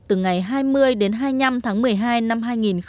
từ ngày hai mươi đến hai mươi năm tháng một mươi hai năm hai nghìn một mươi chín